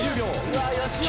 うわよしおか。